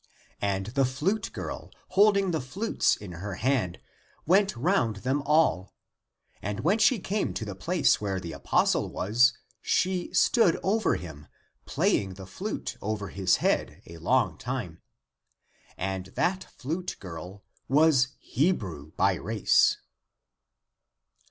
And the flute girl, holding the flutes in her hand, went round them all ; and when she came to the place where the apostle was, she stood over him, playing the flute over his head a long time. And that flute girl was Hebrew by race.